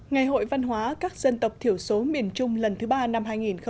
ngày hội văn hóa các dân tộc thiểu số miền trung lần thứ ba năm hai nghìn một mươi chín